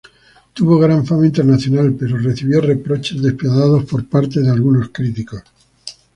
Tuvo gran fama internacional, pero recibió reproches despiadados por parte de algunos críticos.